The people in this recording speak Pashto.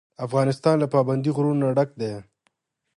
افغانستان له پابندی غرونه ډک دی.